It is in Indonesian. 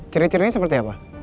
ceritanya seperti apa